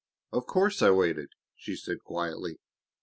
"Of course I waited!" she said quietly.